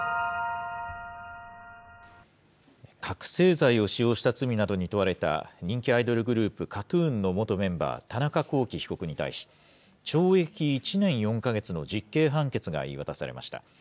覚醒剤を使用した罪などに問われた、人気アイドルグループ、ＫＡＴ−ＴＵＮの元メンバー、田中聖被告に対し、懲役１年４か月の実刑判決が言い渡されました。